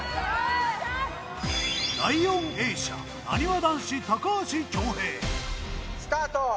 第４泳者、なにわ男子・高橋スタート。